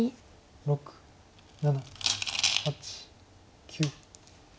６７８９。